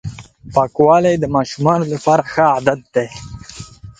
پاکوالی د ماشومانو لپاره ښه عادت دی.